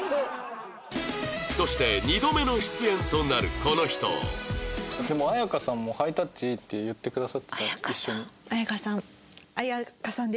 そして２度目の出演となるこの人でも綾香さんもハイタッチいいって言ってくださってた一緒に。